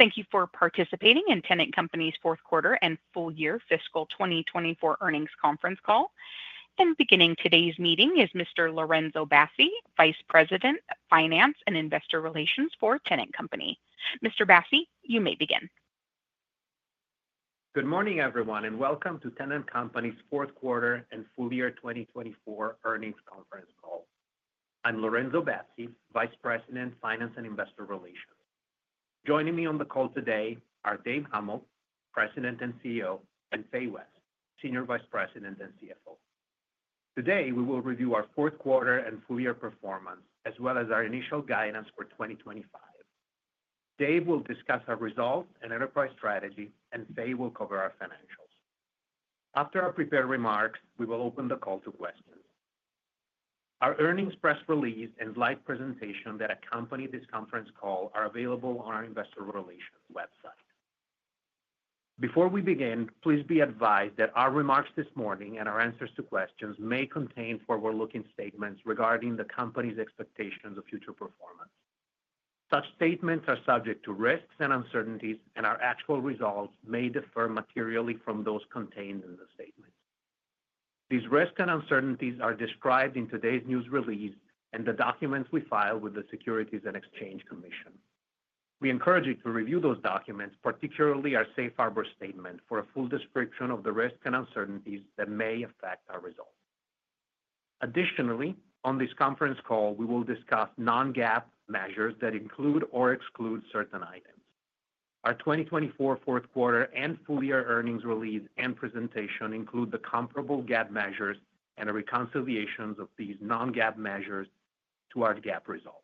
Thank you for participating in Tennant Company's Fourth Quarter and Full Year Fiscal 2024 earnings conference call. Beginning today's meeting is Mr. Lorenzo Bassi, Vice President of Finance and Investor Relations for Tennant Company. Mr. Bassi, you may begin. Good morning, everyone, and welcome to Tennant Company's Fourth Quarter and Full Year 2024 earnings conference call. I'm Lorenzo Bassi, Vice President, Finance and Investor Relations. Joining me on the call today are Dave Huml, President and CEO, and Fay West, Senior Vice President and CFO. Today, we will review our fourth quarter and full year performance, as well as our initial guidance for 2025. Dave will discuss our results and enterprise strategy, and Fay will cover our financials. After our prepared remarks, we will open the call to questions. Our earnings press release and slide presentation that accompany this conference call are available on our investor relations website. Before we begin, please be advised that our remarks this morning and our answers to questions may contain forward-looking statements regarding the company's expectations of future performance. Such statements are subject to risks and uncertainties, and our actual results may differ materially from those contained in the statements. These risks and uncertainties are described in today's news release and the documents we filed with the Securities and Exchange Commission. We encourage you to review those documents, particularly our safe harbor statement, for a full description of the risks and uncertainties that may affect our results. Additionally, on this conference call, we will discuss non-GAAP measures that include or exclude certain items. Our 2024 fourth quarter and full year earnings release and presentation include the comparable GAAP measures and the reconciliations of these non-GAAP measures to our GAAP results.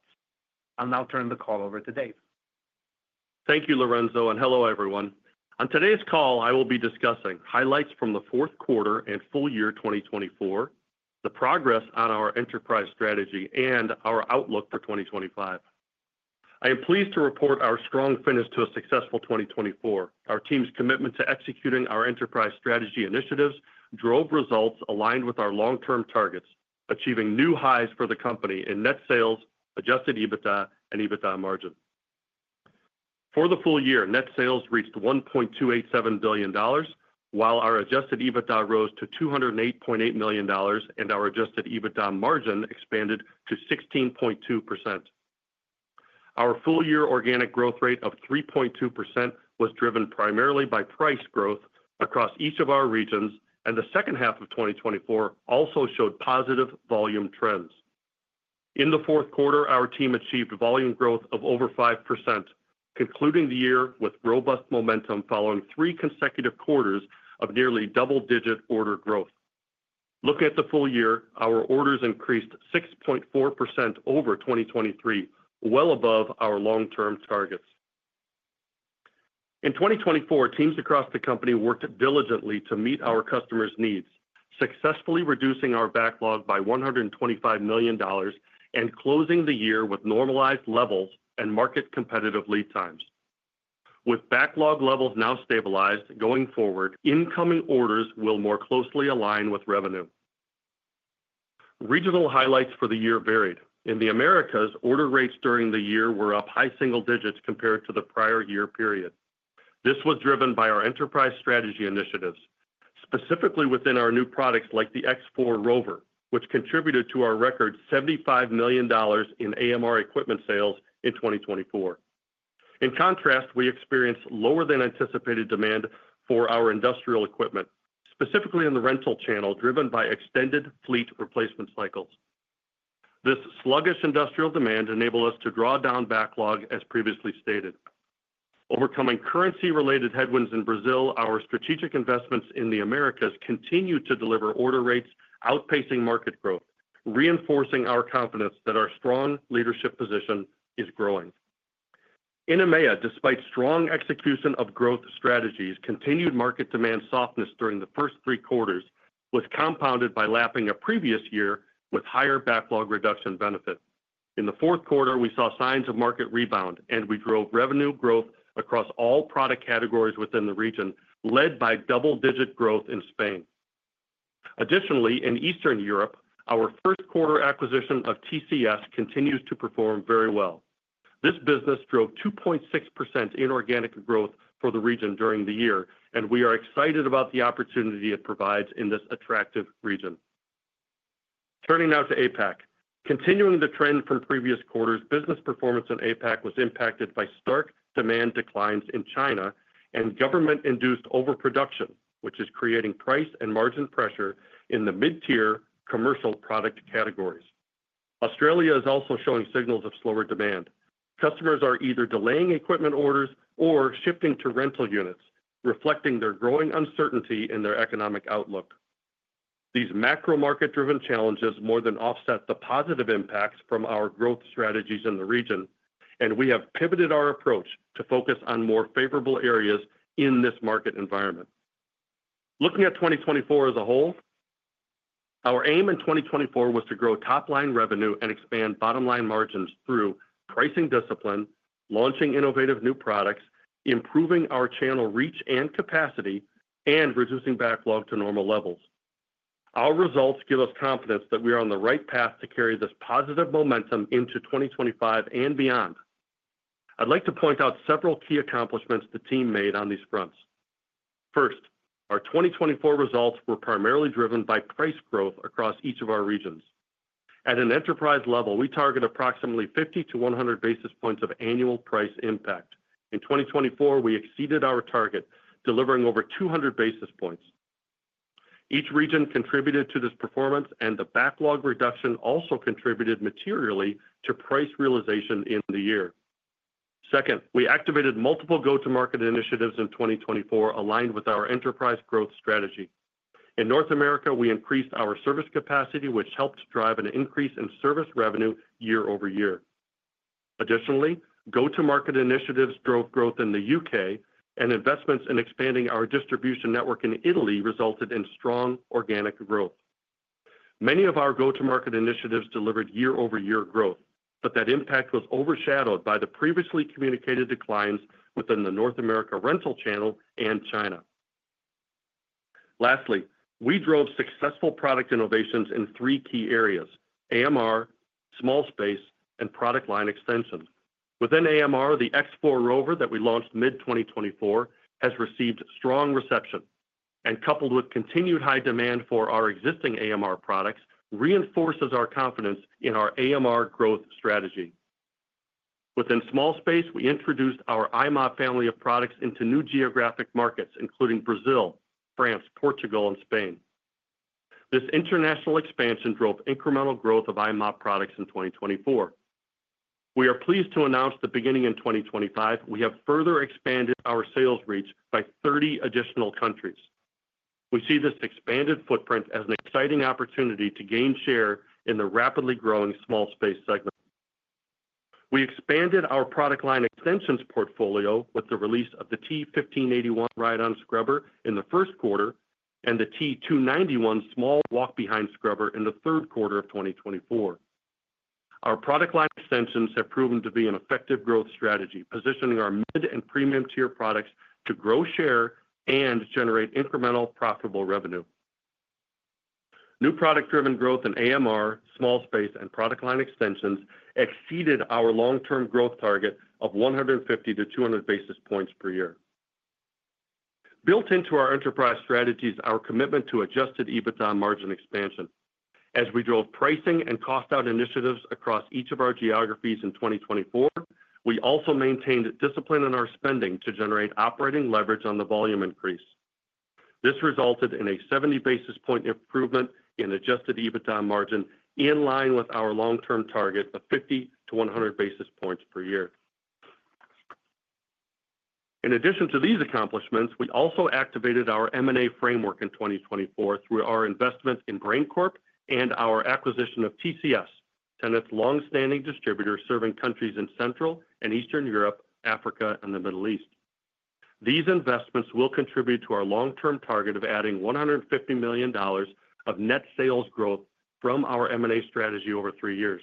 I'll now turn the call over to Dave. Thank you, Lorenzo, and hello, everyone. On today's call, I will be discussing highlights from the fourth quarter and full year 2024, the progress on our enterprise strategy, and our outlook for 2025. I am pleased to report our strong finish to a successful 2024. Our team's commitment to executing our enterprise strategy initiatives drove results aligned with our long-term targets, achieving new highs for the company in net sales, adjusted EBITDA, and EBITDA margin. For the full year, net sales reached $1.287 billion, while our adjusted EBITDA rose to $208.8 million, and our adjusted EBITDA margin expanded to 16.2%. Our full year organic growth rate of 3.2% was driven primarily by price growth across each of our regions, and the second half of 2024 also showed positive volume trends. In the fourth quarter, our team achieved volume growth of over 5%, concluding the year with robust momentum following three consecutive quarters of nearly double-digit order growth. Looking at the full year, our orders increased 6.4% over 2023, well above our long-term targets. In 2024, teams across the company worked diligently to meet our customers' needs, successfully reducing our backlog by $125 million and closing the year with normalized levels and market competitive lead times. With backlog levels now stabilized, going forward, incoming orders will more closely align with revenue. Regional highlights for the year varied. In the Americas, order rates during the year were up high single digits compared to the prior year period. This was driven by our enterprise strategy initiatives, specifically within our new products like the X4 ROVR, which contributed to our record $75 million in AMR equipment sales in 2024. In contrast, we experienced lower-than-anticipated demand for our industrial equipment, specifically in the rental channel, driven by extended fleet replacement cycles. This sluggish industrial demand enabled us to draw down backlog, as previously stated. Overcoming currency-related headwinds in Brazil, our strategic investments in the Americas continue to deliver order rates outpacing market growth, reinforcing our confidence that our strong leadership position is growing. In EMEA, despite strong execution of growth strategies, continued market demand softness during the first three quarters was compounded by lapping a previous year with higher backlog reduction benefit. In the fourth quarter, we saw signs of market rebound, and we drove revenue growth across all product categories within the region, led by double-digit growth in Spain. Additionally, in Eastern Europe, our first quarter acquisition of TCS continues to perform very well. This business drove 2.6% inorganic growth for the region during the year, and we are excited about the opportunity it provides in this attractive region. Turning now to APAC. Continuing the trend from previous quarters, business performance in APAC was impacted by stark demand declines in China and government-induced overproduction, which is creating price and margin pressure in the mid-tier commercial product categories. Australia is also showing signals of slower demand. Customers are either delaying equipment orders or shifting to rental units, reflecting their growing uncertainty in their economic outlook. These macro-market-driven challenges more than offset the positive impacts from our growth strategies in the region, and we have pivoted our approach to focus on more favorable areas in this market environment. Looking at 2024 as a whole, our aim in 2024 was to grow top-line revenue and expand bottom-line margins through pricing discipline, launching innovative new products, improving our channel reach and capacity, and reducing backlog to normal levels. Our results give us confidence that we are on the right path to carry this positive momentum into 2025 and beyond. I'd like to point out several key accomplishments the team made on these fronts. First, our 2024 results were primarily driven by price growth across each of our regions. At an enterprise level, we target approximately 50 to 100 basis points of annual price impact. In 2024, we exceeded our target, delivering over 200 basis points. Each region contributed to this performance, and the backlog reduction also contributed materially to price realization in the year. Second, we activated multiple go-to-market initiatives in 2024, aligned with our enterprise growth strategy. In North America, we increased our service capacity, which helped drive an increase in service revenue year-over-year. Additionally, go-to-market initiatives drove growth in the UK, and investments in expanding our distribution network in Italy resulted in strong organic growth. Many of our go-to-market initiatives delivered year-over-year growth, but that impact was overshadowed by the previously communicated declines within the North America rental channel and China. Lastly, we drove successful product innovations in three key areas: AMR, small space, and product line extensions. Within AMR, the X4 ROVR that we launched mid-2024 has received strong reception, and coupled with continued high demand for our existing AMR products, reinforces our confidence in our AMR growth strategy. Within small space, we introduced our i-mop family of products into new geographic markets, including Brazil, France, Portugal, and Spain. This international expansion drove incremental growth of i-mop products in 2024. We are pleased to announce that beginning in 2025, we have further expanded our sales reach by 30 additional countries. We see this expanded footprint as an exciting opportunity to gain share in the rapidly growing small space segment. We expanded our product line extensions portfolio with the release of the T1581 ride-on scrubber in the first quarter and the T291 small walk-behind scrubber in the third quarter of 2024. Our product line extensions have proven to be an effective growth strategy, positioning our mid and premium-tier products to grow share and generate incremental profitable revenue. New product-driven growth in AMR, small space, and product line extensions exceeded our long-term growth target of 150-200 basis points per year. Built into our enterprise strategy is our commitment to Adjusted EBITDA margin expansion. As we drove pricing and cost-out initiatives across each of our geographies in 2024, we also maintained discipline in our spending to generate operating leverage on the volume increase. This resulted in a 70 basis points improvement in Adjusted EBITDA margin, in line with our long-term target of 50 to 100 basis points per year. In addition to these accomplishments, we also activated our M&A framework in 2024 through our investment in Brain Corp and our acquisition of TCS, Tennant's long-standing distributor serving countries in Central and Eastern Europe, Africa, and the Middle East. These investments will contribute to our long-term target of adding $150 million of net sales growth from our M&A strategy over three years.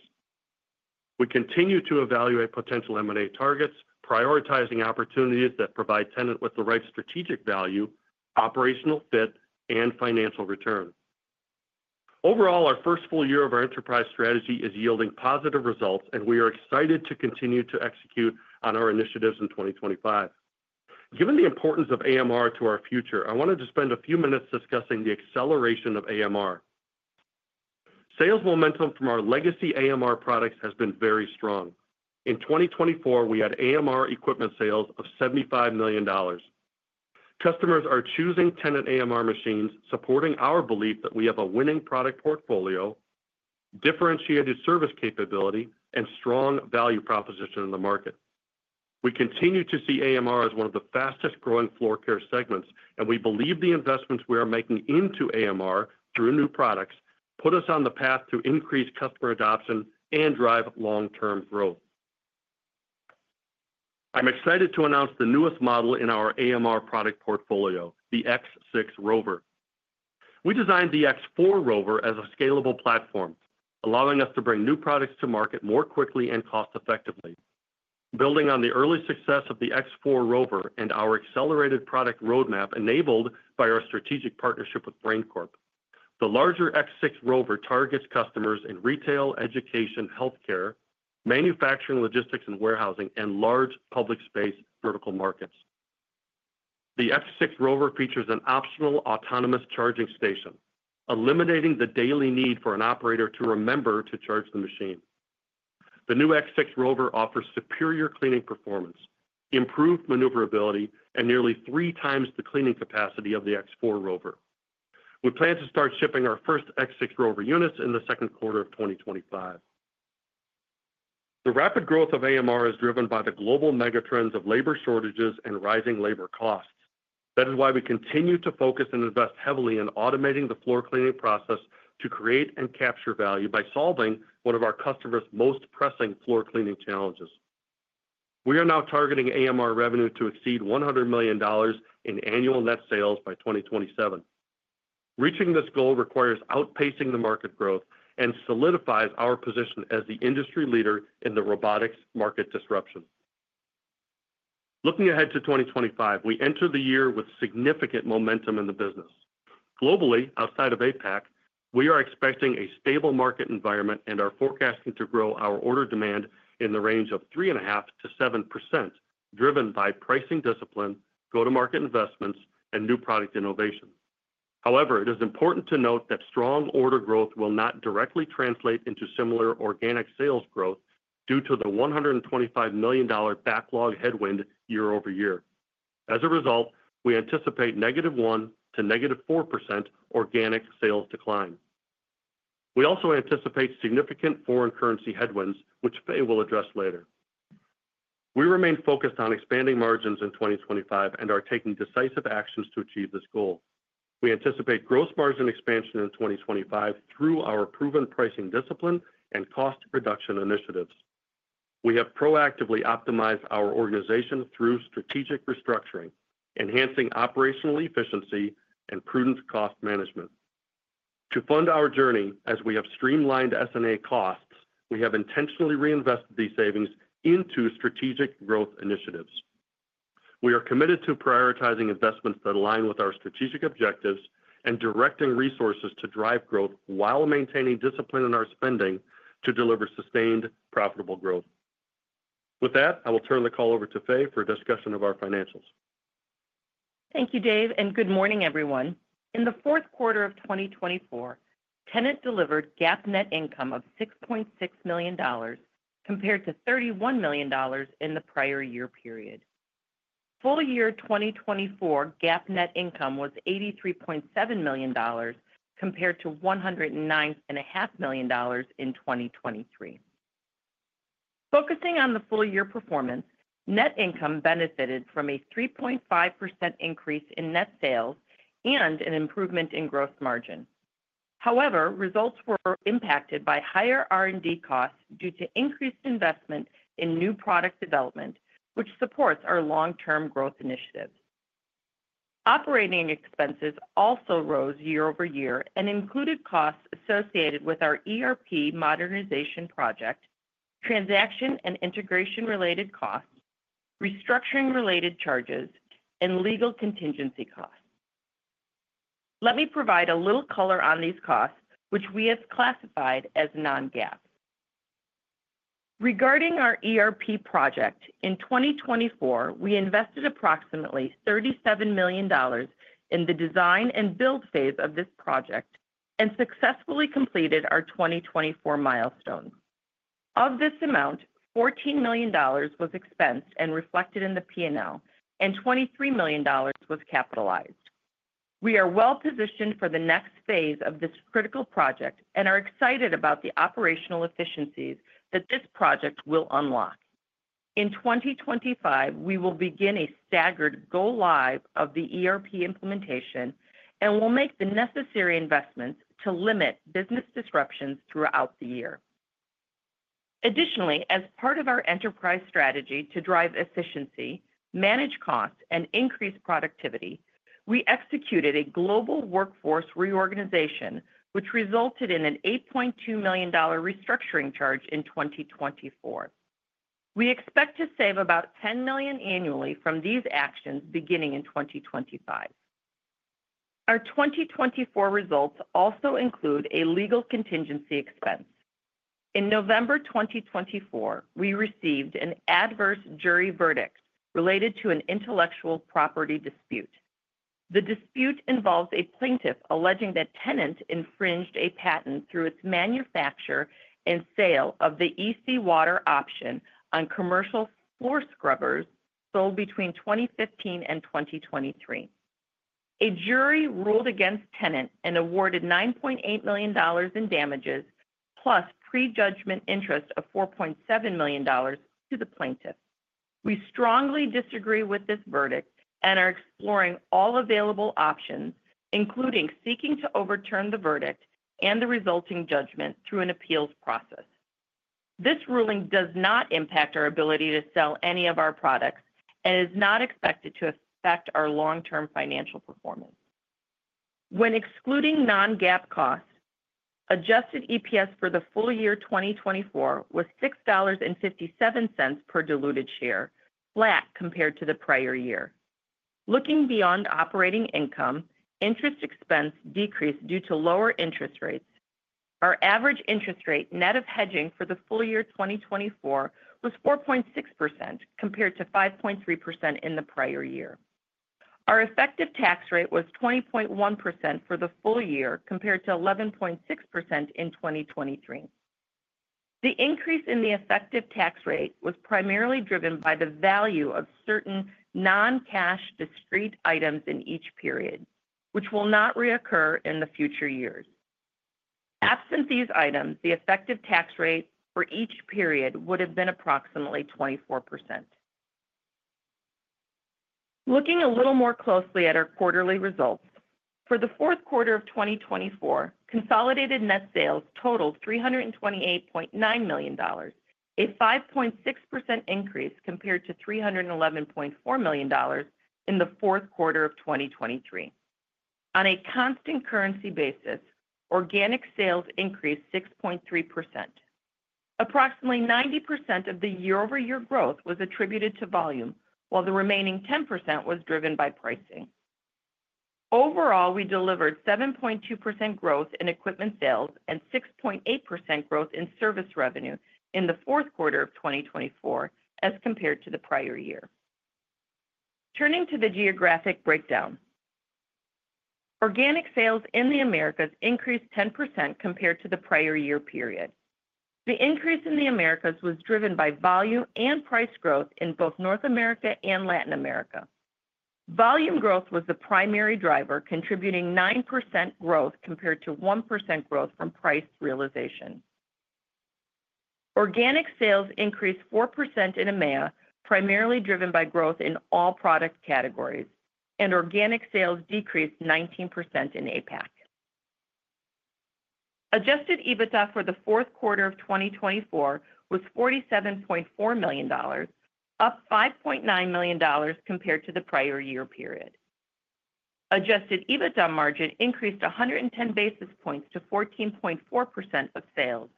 We continue to evaluate potential M&A targets, prioritizing opportunities that provide Tennant with the right strategic value, operational fit, and financial return. Overall, our first full year of our enterprise strategy is yielding positive results, and we are excited to continue to execute on our initiatives in 2025. Given the importance of AMR to our future, I wanted to spend a few minutes discussing the acceleration of AMR. Sales momentum from our legacy AMR products has been very strong. In 2024, we had AMR equipment sales of $75 million. Customers are choosing Tennant AMR machines, supporting our belief that we have a winning product portfolio, differentiated service capability, and strong value proposition in the market. We continue to see AMR as one of the fastest-growing floor care segments, and we believe the investments we are making into AMR through new products put us on the path to increase customer adoption and drive long-term growth. I'm excited to announce the newest model in our AMR product portfolio, the X6 ROVR. We designed the X4 ROVR as a scalable platform, allowing us to bring new products to market more quickly and cost-effectively. Building on the early success of the X4 ROVR and our accelerated product roadmap enabled by our strategic partnership with Brain Corp, the larger X6 ROVR targets customers in retail, education, healthcare, manufacturing, logistics, and warehousing, and large public space vertical markets. The X6 ROVR features an optional autonomous charging station, eliminating the daily need for an operator to remember to charge the machine. The new X6 ROVR offers superior cleaning performance, improved maneuverability, and nearly three times the cleaning capacity of the X4 ROVR. We plan to start shipping our first X6 ROVR units in the second quarter of 2025. The rapid growth of AMR is driven by the global megatrends of labor shortages and rising labor costs. That is why we continue to focus and invest heavily in automating the floor cleaning process to create and capture value by solving one of our customers' most pressing floor cleaning challenges. We are now targeting AMR revenue to exceed $100 million in annual net sales by 2027. Reaching this goal requires outpacing the market growth and solidifies our position as the industry leader in the robotics market disruption. Looking ahead to 2025, we enter the year with significant momentum in the business. Globally, outside of APAC, we are expecting a stable market environment and are forecasting to grow our order demand in the range of 3.5%-7%, driven by pricing discipline, go-to-market investments, and new product innovation. However, it is important to note that strong order growth will not directly translate into similar organic sales growth due to the $125 million backlog headwind year-over-year. As a result, we anticipate -1% to -4% organic sales decline. We also anticipate significant foreign currency headwinds, which Fay will address later. We remain focused on expanding margins in 2025 and are taking decisive actions to achieve this goal. We anticipate gross margin expansion in 2025 through our proven pricing discipline and cost reduction initiatives. We have proactively optimized our organization through strategic restructuring, enhancing operational efficiency and prudent cost management. To fund our journey, as we have streamlined S&A costs, we have intentionally reinvested these savings into strategic growth initiatives. We are committed to prioritizing investments that align with our strategic objectives and directing resources to drive growth while maintaining discipline in our spending to deliver sustained, profitable growth. With that, I will turn the call over to Fay for a discussion of our financials. Thank you, Dave, and good morning, everyone. In the fourth quarter of 2024, Tennant delivered GAAP net income of $6.6 million compared to $31 million in the prior year period. Full year 2024 GAAP net income was $83.7 million compared to $109.5 million in 2023. Focusing on the full year performance, net income benefited from a 3.5% increase in net sales and an improvement in gross margin. However, results were impacted by higher R&D costs due to increased investment in new product development, which supports our long-term growth initiatives. Operating expenses also rose year-over-year and included costs associated with our ERP modernization project, transaction and integration-related costs, restructuring-related charges, and legal contingency costs. Let me provide a little color on these costs, which we have classified as non-GAAP. Regarding our ERP project, in 2024, we invested approximately $37 million in the design and build phase of this project and successfully completed our 2024 milestones. Of this amount, $14 million was expensed and reflected in the P&L, and $23 million was capitalized. We are well-positioned for the next phase of this critical project and are excited about the operational efficiencies that this project will unlock. In 2025, we will begin a staggered go-live of the ERP implementation and will make the necessary investments to limit business disruptions throughout the year. Additionally, as part of our enterprise strategy to drive efficiency, manage costs, and increase productivity, we executed a global workforce reorganization, which resulted in an $8.2 million restructuring charge in 2024. We expect to save about $10 million annually from these actions beginning in 2025. Our 2024 results also include a legal contingency expense. In November 2024, we received an adverse jury verdict related to an intellectual property dispute. The dispute involves a plaintiff alleging that Tennant infringed a patent through its manufacture and sale of the ec-H2O option on commercial floor scrubbers sold between 2015 and 2023. A jury ruled against Tennant and awarded $9.8 million in damages, plus pre-judgment interest of $4.7 million to the plaintiff. We strongly disagree with this verdict and are exploring all available options, including seeking to overturn the verdict and the resulting judgment through an appeals process. This ruling does not impact our ability to sell any of our products and is not expected to affect our long-term financial performance. When excluding non-GAAP costs, adjusted EPS for the full year 2024 was $6.57 per diluted share, flat compared to the prior year. Looking beyond operating income, interest expense decreased due to lower interest rates. Our average interest rate net of hedging for the full year 2024 was 4.6% compared to 5.3% in the prior year. Our effective tax rate was 20.1% for the full year compared to 11.6% in 2023. The increase in the effective tax rate was primarily driven by the value of certain non-cash discrete items in each period, which will not recur in the future years. Absent these items, the effective tax rate for each period would have been approximately 24%. Looking a little more closely at our quarterly results, for the fourth quarter of 2024, consolidated net sales totaled $328.9 million, a 5.6% increase compared to $311.4 million in the fourth quarter of 2023. On a constant currency basis, organic sales increased 6.3%. Approximately 90% of the year-over-year growth was attributed to volume, while the remaining 10% was driven by pricing. Overall, we delivered 7.2% growth in equipment sales and 6.8% growth in service revenue in the fourth quarter of 2024 as compared to the prior year. Turning to the geographic breakdown, organic sales in the Americas increased 10% compared to the prior year period. The increase in the Americas was driven by volume and price growth in both North America and Latin America. Volume growth was the primary driver, contributing 9% growth compared to 1% growth from price realization. Organic sales increased 4% in EMEA, primarily driven by growth in all product categories, and organic sales decreased 19% in APAC. Adjusted EBITDA for the fourth quarter of 2024 was $47.4 million, up $5.9 million compared to the prior year period. Adjusted EBITDA margin increased 110 basis points to 14.4% of sales.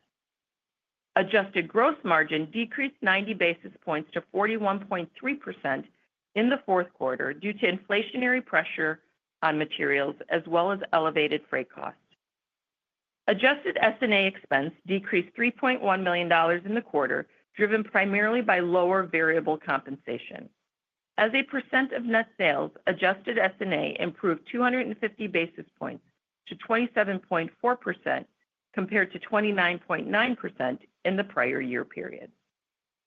Adjusted gross margin decreased 90 basis points to 41.3% in the fourth quarter due to inflationary pressure on materials as well as elevated freight costs. Adjusted S&A expense decreased $3.1 million in the quarter, driven primarily by lower variable compensation. As a percent of net sales, adjusted S&A improved 250 basis points to 27.4% compared to 29.9% in the prior year period.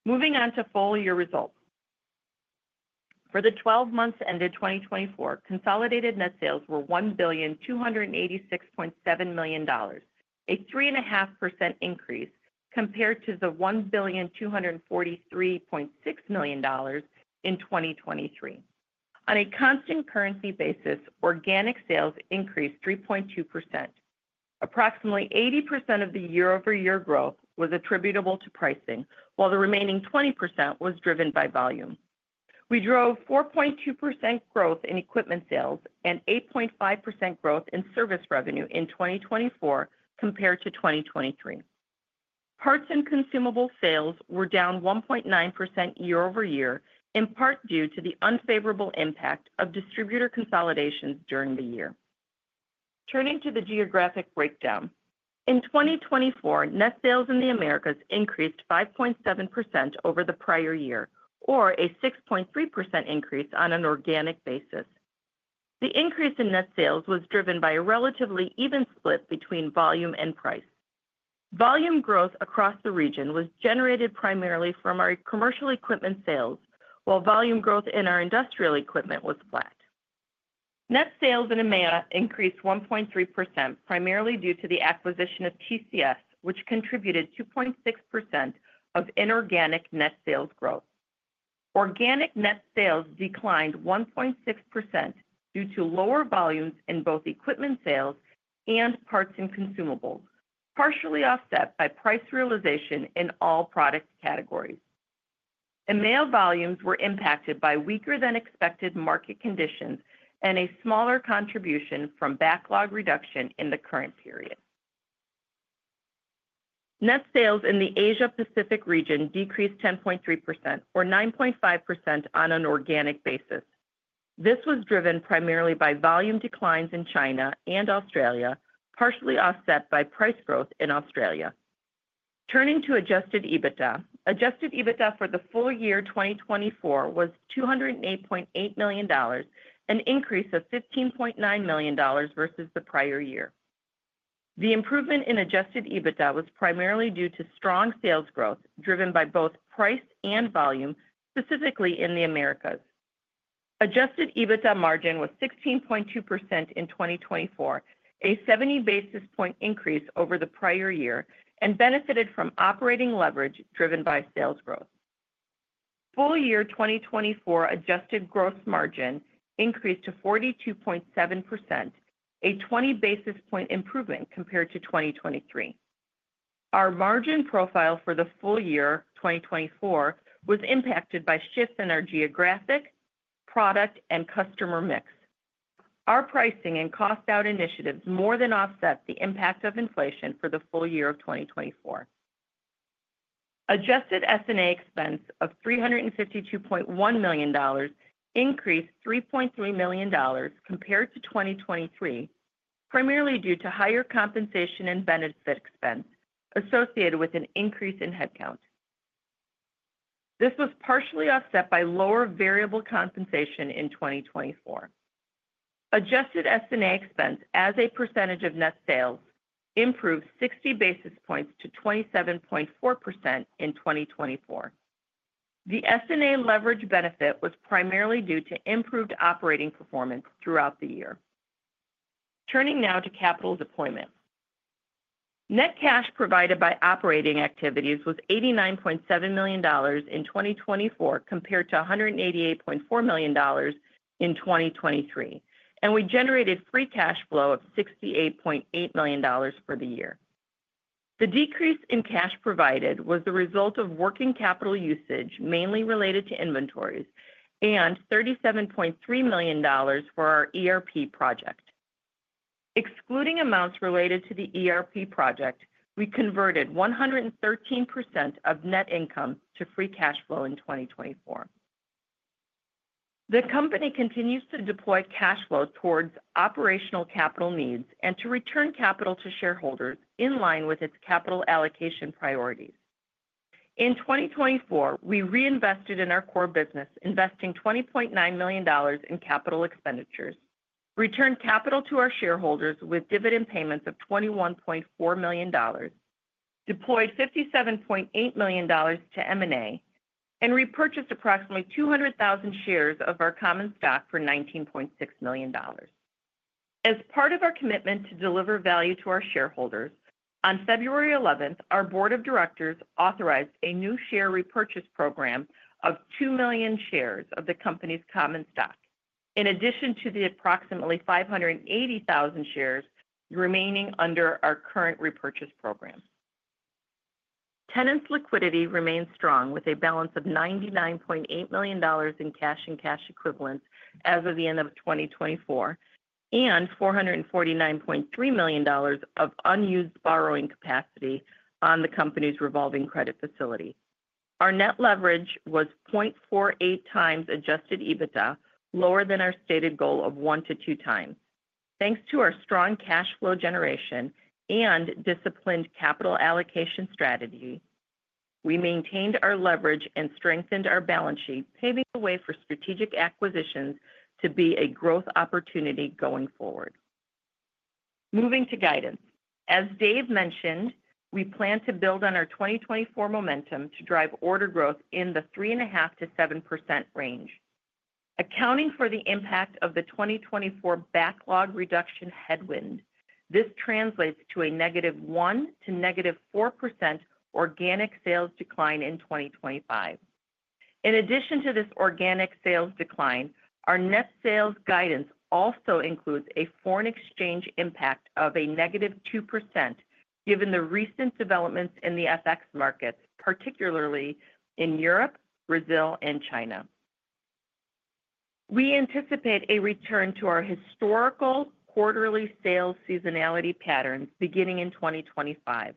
Moving on to full year results. For the 12 months ended 2024, consolidated net sales were $1,286.7 million, a 3.5% increase compared to the $1,243.6 million in 2023. On a constant currency basis, organic sales increased 3.2%. Approximately 80% of the year-over-year growth was attributable to pricing, while the remaining 20% was driven by volume. We drove 4.2% growth in equipment sales and 8.5% growth in service revenue in 2024 compared to 2023. Parts and consumable sales were down 1.9% year-over-year, in part due to the unfavorable impact of distributor consolidations during the year. Turning to the geographic breakdown. In 2024, net sales in the Americas increased 5.7% over the prior year, or a 6.3% increase on an organic basis. The increase in net sales was driven by a relatively even split between volume and price. Volume growth across the region was generated primarily from our commercial equipment sales, while volume growth in our industrial equipment was flat. Net sales in EMEA increased 1.3%, primarily due to the acquisition of TCS, which contributed 2.6% of inorganic net sales growth. Organic net sales declined 1.6% due to lower volumes in both equipment sales and parts and consumables, partially offset by price realization in all product categories. EMEA volumes were impacted by weaker-than-expected market conditions and a smaller contribution from backlog reduction in the current period. Net sales in the Asia-Pacific region decreased 10.3%, or 9.5% on an organic basis. This was driven primarily by volume declines in China and Australia, partially offset by price growth in Australia. Turning to Adjusted EBITDA, Adjusted EBITDA for the full year 2024 was $208.8 million, an increase of $15.9 million versus the prior year. The improvement in Adjusted EBITDA was primarily due to strong sales growth driven by both price and volume, specifically in the Americas. Adjusted EBITDA margin was 16.2% in 2024, a 70 basis points increase over the prior year, and benefited from operating leverage driven by sales growth. Full year 2024 adjusted gross margin increased to 42.7%, a 20 basis points improvement compared to 2023. Our margin profile for the full year 2024 was impacted by shifts in our geographic, product, and customer mix. Our pricing and cost-out initiatives more than offset the impact of inflation for the full year of 2024. Adjusted S&A expense of $352.1 million increased $3.3 million compared to 2023, primarily due to higher compensation and benefit expense associated with an increase in headcount. This was partially offset by lower variable compensation in 2024. Adjusted S&A expense as a percentage of net sales improved 60 basis points to 27.4% in 2024. The S&A leverage benefit was primarily due to improved operating performance throughout the year. Turning now to capital deployment. Net cash provided by operating activities was $89.7 million in 2024 compared to $188.4 million in 2023, and we generated free cash flow of $68.8 million for the year. The decrease in cash provided was the result of working capital usage, mainly related to inventories, and $37.3 million for our ERP project. Excluding amounts related to the ERP project, we converted 113% of net income to free cash flow in 2024. The company continues to deploy cash flow towards operational capital needs and to return capital to shareholders in line with its capital allocation priorities. In 2024, we reinvested in our core business, investing $20.9 million in capital expenditures, returned capital to our shareholders with dividend payments of $21.4 million, deployed $57.8 million to M&A, and repurchased approximately 200,000 shares of our common stock for $19.6 million. As part of our commitment to deliver value to our shareholders, on February 11, our board of directors authorized a new share repurchase program of two million shares of the company's common stock, in addition to the approximately 580,000 shares remaining under our current repurchase program. Tennant's liquidity remains strong with a balance of $99.8 million in cash and cash equivalents as of the end of 2024 and $449.3 million of unused borrowing capacity on the company's revolving credit facility. Our net leverage was 0.48 times Adjusted EBITDA, lower than our stated goal of one to two times. Thanks to our strong cash flow generation and disciplined capital allocation strategy, we maintained our leverage and strengthened our balance sheet, paving the way for strategic acquisitions to be a growth opportunity going forward. Moving to guidance. As Dave mentioned, we plan to build on our 2024 momentum to drive order growth in the 3.5%-7% range. Accounting for the impact of the 2024 backlog reduction headwind, this translates to a -1% to -4% organic sales decline in 2025. In addition to this organic sales decline, our net sales guidance also includes a foreign exchange impact of a negative 2% given the recent developments in the FX markets, particularly in Europe, Brazil, and China. We anticipate a return to our historical quarterly sales seasonality patterns beginning in 2025,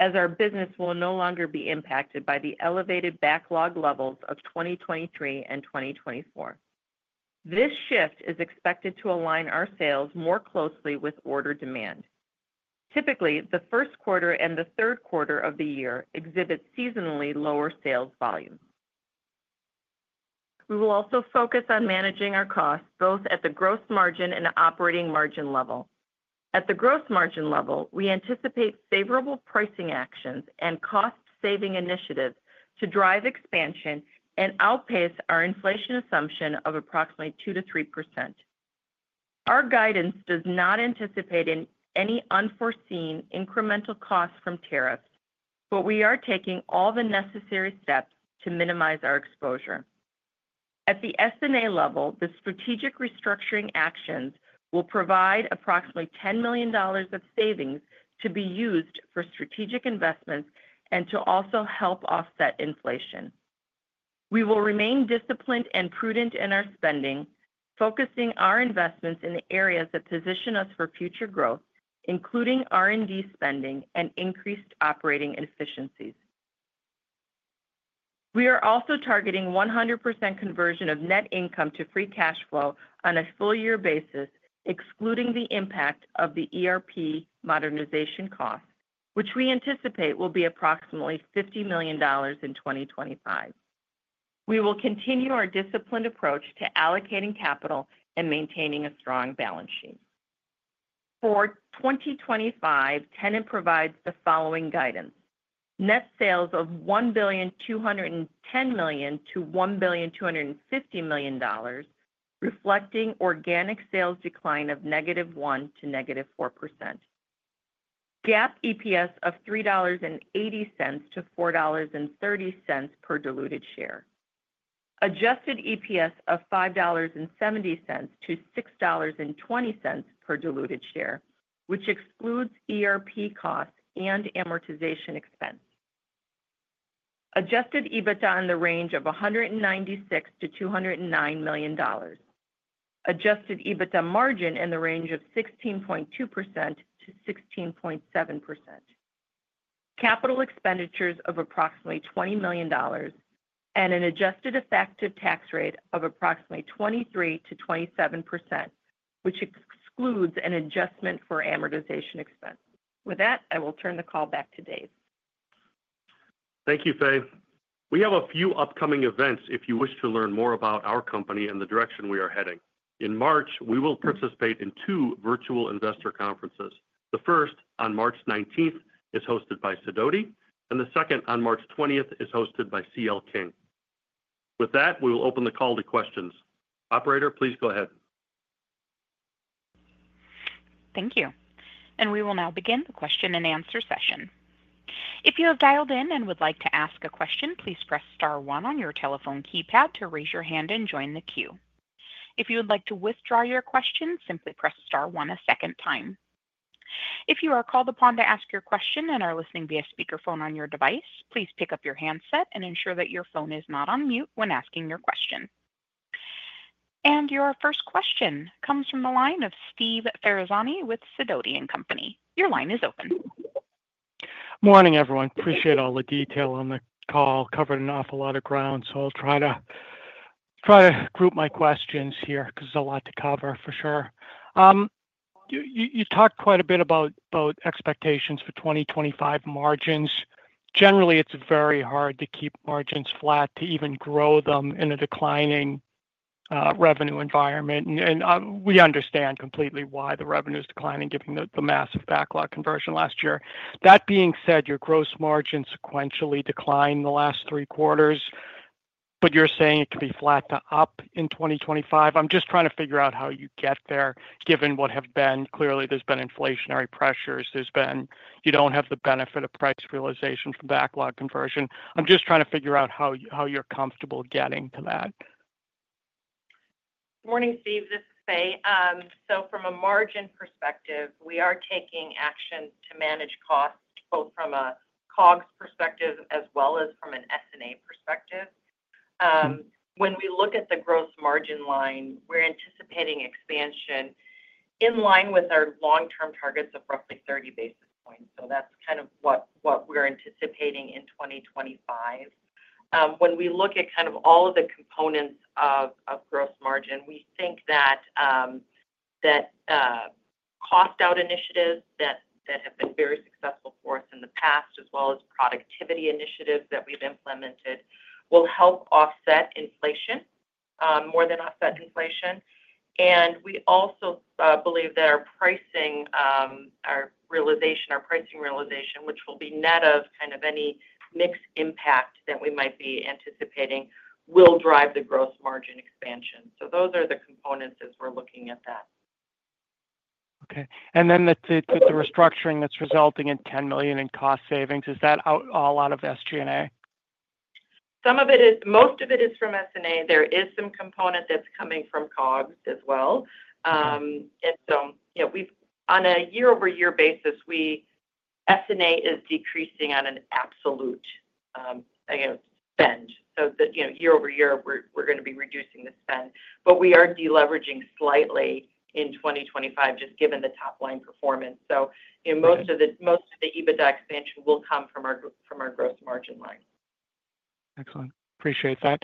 as our business will no longer be impacted by the elevated backlog levels of 2023 and 2024. This shift is expected to align our sales more closely with order demand. Typically, the first quarter and the third quarter of the year exhibit seasonally lower sales volumes. We will also focus on managing our costs both at the gross margin and operating margin level. At the gross margin level, we anticipate favorable pricing actions and cost-saving initiatives to drive expansion and outpace our inflation assumption of approximately 2%-3%. Our guidance does not anticipate any unforeseen incremental costs from tariffs, but we are taking all the necessary steps to minimize our exposure. At the S&A level, the strategic restructuring actions will provide approximately $10 million of savings to be used for strategic investments and to also help offset inflation. We will remain disciplined and prudent in our spending, focusing our investments in the areas that position us for future growth, including R&D spending and increased operating efficiencies. We are also targeting 100% conversion of net income to free cash flow on a full year basis, excluding the impact of the ERP modernization costs, which we anticipate will be approximately $50 million in 2025. We will continue our disciplined approach to allocating capital and maintaining a strong balance sheet. For 2025, Tennant provides the following guidance: net sales of $1.210 billion-$1.250 billion, reflecting organic sales decline of -1% to -4%. GAAP EPS of $3.80-$4.30 per diluted share. Adjusted EPS of $5.70-$6.20 per diluted share, which excludes ERP costs and amortization expense. Adjusted EBITDA in the range of $196 million-$209 million. Adjusted EBITDA margin in the range of 16.2%-16.7%. Capital expenditures of approximately $20 million and an adjusted effective tax rate of approximately 23%-27%, which excludes an adjustment for amortization expense. With that, I will turn the call back to Dave. Thank you, Fay. We have a few upcoming events if you wish to learn more about our company and the direction we are heading. In March, we will participate in two virtual investor conferences. The first, on March 19, is hosted by Sidoti, and the second, on March 20, is hosted by C.L. King. With that, we will open the call to questions. Operator, please go ahead. Thank you. And we will now begin the question and answer session. If you have dialed in and would like to ask a question, please press star one on your telephone keypad to raise your hand and join the queue. If you would like to withdraw your question, simply press star one a second time. If you are called upon to ask your question and are listening via speakerphone on your device, please pick up your handset and ensure that your phone is not on mute when asking your question. Your first question comes from the line of Steve Ferazani with Sidoti & Company. Your line is open. Morning, everyone. Appreciate all the detail on the call. Covered an awful lot of ground, so I'll try to group my questions here because there's a lot to cover, for sure. You talked quite a bit about expectations for 2025 margins. Generally, it's very hard to keep margins flat, to even grow them in a declining revenue environment. We understand completely why the revenue is declining, given the massive backlog conversion last year. That being said, your gross margins sequentially declined in the last three quarters, but you're saying it could be flat to up in 2025. I'm just trying to figure out how you get there, given what have been clearly. There's been inflationary pressures. There's been you don't have the benefit of price realization from backlog conversion. I'm just trying to figure out how you're comfortable getting to that. Morning, Steve. This is Fay. From a margin perspective, we are taking action to manage costs, both from a COGS perspective as well as from an S&A perspective. When we look at the gross margin line, we're anticipating expansion in line with our long-term targets of roughly 30 basis points. That's kind of what we're anticipating in 2025. When we look at kind of all of the components of gross margin, we think that cost-out initiatives that have been very successful for us in the past, as well as productivity initiatives that we've implemented, will help offset inflation more than offset inflation. We also believe that our pricing realization, which will be net of kind of any mixed impact that we might be anticipating, will drive the gross margin expansion. So those are the components as we're looking at that. Okay. And then the restructuring that's resulting in $10 million in cost savings, is that all out of S&A? Most of it is from S&A. There is some component that's coming from COGS as well. On a year-over-year basis, S&A is decreasing on an absolute spend. Year-over-year, we're going to be reducing the spend. But we are deleveraging slightly in 2025, just given the top-line performance. So most of the EBITDA expansion will come from our gross margin line. Excellent. Appreciate that.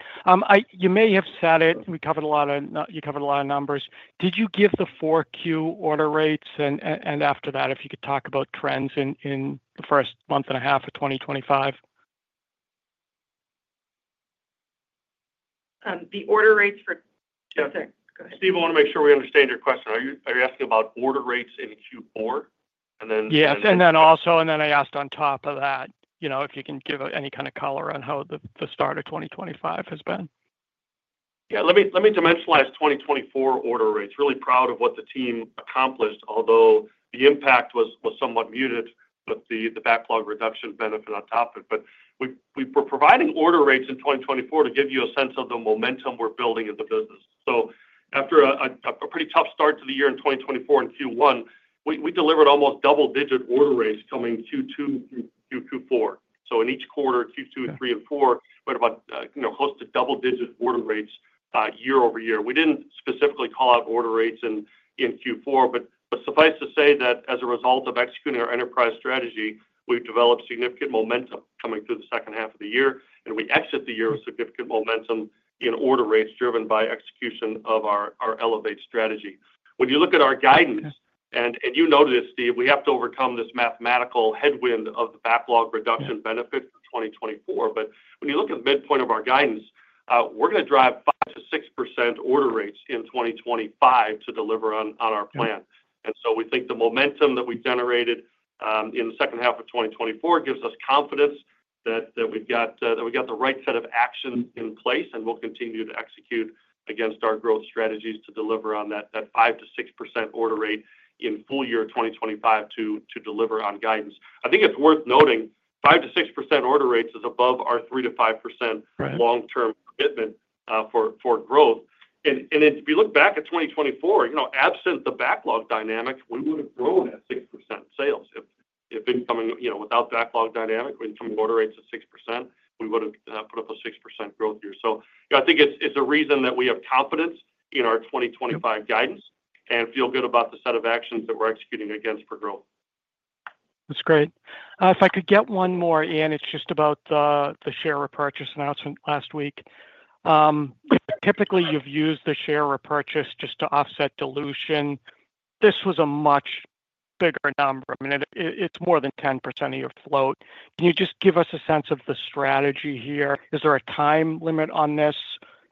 You may have said it. We covered a lot of numbers. Did you give the Q4 order rates? And after that, if you could talk about trends in the first month and a half of 2025. The order rates for. Yeah. Okay. Go ahead. Steve, I want to make sure we understand your question. Are you asking about order rates in Q4? And then. Yes. And then also, and then I asked on top of that, if you can give any kind of color on how the start of 2025 has been. Yeah. Let me dimensionalize 2024 order rates. Really proud of what the team accomplished, although the impact was somewhat muted with the backlog reduction benefit on top of it, but we were providing order rates in 2024 to give you a sense of the momentum we're building in the business, so after a pretty tough start to the year in 2024 in Q1, we delivered almost double-digit order rates coming Q2 through Q4, so in each quarter, Q2, Q3, and Q4, we had about close to double-digit order rates year-over-year. We didn't specifically call out order rates in Q4, but suffice to say that as a result of executing our enterprise strategy, we've developed significant momentum coming through the second half of the year, and we exit the year with significant momentum in order rates driven by execution of our Elevate strategy. When you look at our guidance, and you notice it, Steve, we have to overcome this mathematical headwind of the backlog reduction benefit for 2024, but when you look at the midpoint of our guidance, we're going to drive 5%-6% order rates in 2025 to deliver on our plan, and so we think the momentum that we generated in the second half of 2024 gives us confidence that we've got the right set of actions in place, and we'll continue to execute against our growth strategies to deliver on that 5%-6% order rate in full year 2025 to deliver on guidance. I think it's worth noting 5%-6% order rates is above our 3%-5% long-term commitment for growth. If you look back at 2024, absent the backlog dynamic, we would have grown at 6% sales if incoming without backlog dynamic, incoming order rates at 6%, we would have put up a 6% growth year. I think it's a reason that we have confidence in our 2025 guidance and feel good about the set of actions that we're executing against for growth. That's great. If I could get one more in, it's just about the share repurchase announcement last week. Typically, you've used the share repurchase just to offset dilution. This was a much bigger number. I mean, it's more than 10% of your float. Can you just give us a sense of the strategy here? Is there a time limit on this?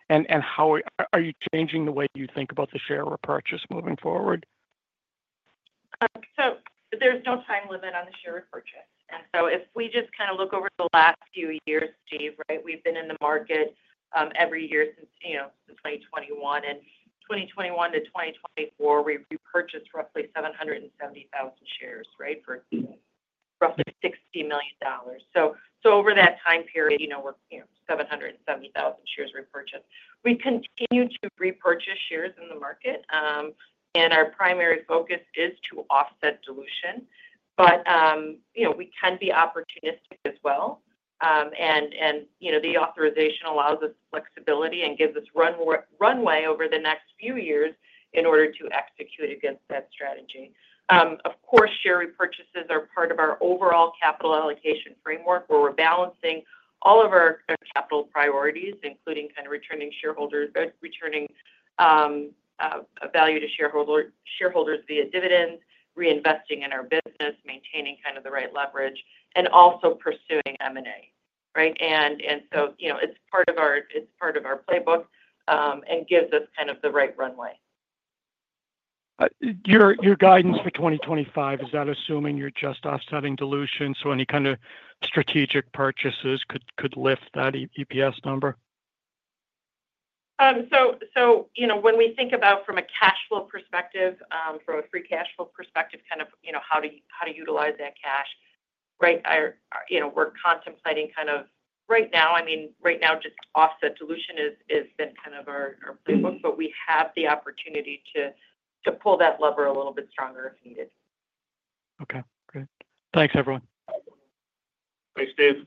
And are you changing the way you think about the share repurchase moving forward? There's no time limit on the share repurchase. And so if we just kind of look over the last few years, Steve, right, we've been in the market every year since 2021. And 2021 to 2024, we repurchased roughly 770,000 shares, right, for roughly $60 million. So over that time period, we're 770,000 shares repurchased. We continue to repurchase shares in the market. And our primary focus is to offset dilution. But we can be opportunistic as well. And the authorization allows us flexibility and gives us runway over the next few years in order to execute against that strategy. Of course, share repurchases are part of our overall capital allocation framework where we're balancing all of our capital priorities, including kind of returning value to shareholders via dividends, reinvesting in our business, maintaining kind of the right leverage, and also pursuing M&A, right? And so it's part of our playbook and gives us kind of the right runway. Your guidance for 2025, is that assuming you're just offsetting dilution? So any kind of strategic purchases could lift that EPS number? So when we think about from a cash flow perspective, from a free cash flow perspective, kind of how to utilize that cash, right, we're contemplating kind of right now, I mean, right now, just offset dilution has been kind of our playbook, but we have the opportunity to pull that lever a little bit stronger if needed. Okay. Great. Thanks, everyone. Thanks, Steve.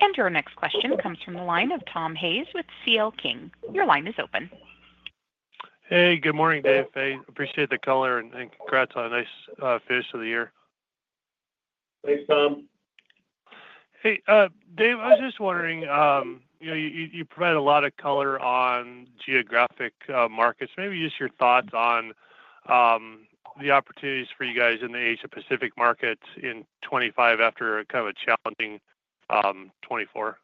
And our next question comes from the line of Tom Hayes with C.L. King. Your line is open. Hey, good morning, Dave. I appreciate the color and congrats on a nice finish of the year. Thanks, Tom. Hey, Dave, I was just wondering, you provide a lot of color on geographic markets. Maybe just your thoughts on the opportunities for you guys in the Asia-Pacific markets in 2025 after kind of a challenging 2024.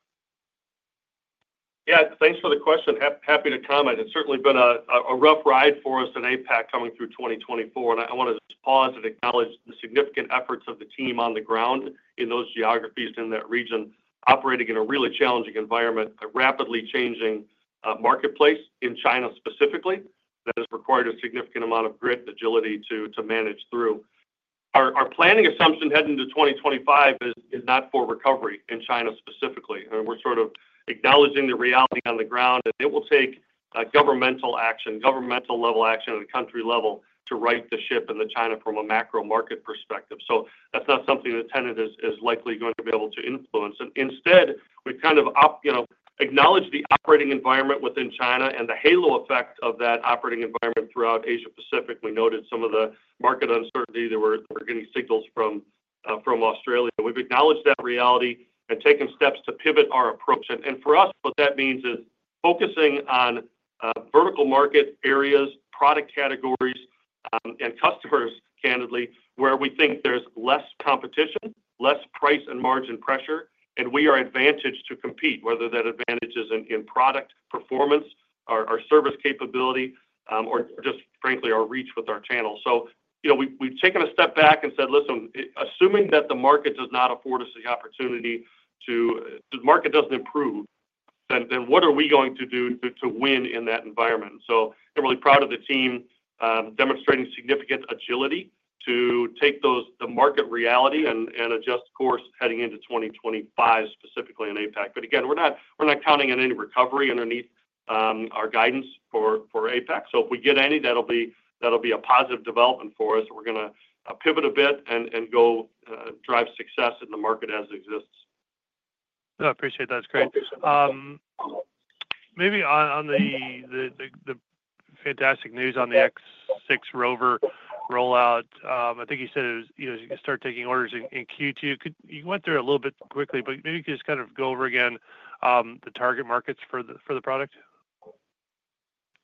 Yeah. Thanks for the question. Happy to comment. It's certainly been a rough ride for us at APAC coming through 2024, and I want to just pause and acknowledge the significant efforts of the team on the ground in those geographies and in that region, operating in a really challenging environment, a rapidly changing marketplace in China specifically that has required a significant amount of grit and agility to manage through. Our planning assumption heading into 2025 is not for recovery in China specifically. We're sort of acknowledging the reality on the ground, and it will take governmental action, governmental-level action at a country level to right the ship in China from a macro market perspective. That's not something that Tennant is likely going to be able to influence. Instead, we've kind of acknowledged the operating environment within China and the halo effect of that operating environment throughout Asia-Pacific. We noted some of the market uncertainty. We're getting signals from Australia. We've acknowledged that reality and taken steps to pivot our approach. For us, what that means is focusing on vertical market areas, product categories, and customers, candidly, where we think there's less competition, less price and margin pressure, and we are advantaged to compete, whether that advantage is in product performance, our service capability, or just, frankly, our reach with our channel. So we've taken a step back and said, "Listen, assuming that the market does not afford us the opportunity, the market doesn't improve, then what are we going to do to win in that environment." So I'm really proud of the team demonstrating significant agility to take the market reality and adjust course heading into 2025, specifically in APAC. But again, we're not counting on any recovery underneath our guidance for APAC. So if we get any, that'll be a positive development for us. We're going to pivot a bit and go drive success in the market as it exists. I appreciate that. That's great. Maybe on the fantastic news on the X6 ROVR rollout, I think you said it was you start taking orders in Q2. You went through it a little bit quickly, but maybe you could just kind of go over again the target markets for the product?